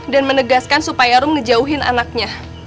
dan menegaskan supaya rom ngejauhin anaknya